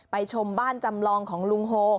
ชมบ้านจำลองของลุงโฮ